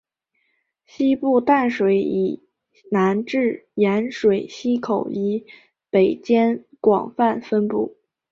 西部淡水以南至盐水溪口以北间广泛分布。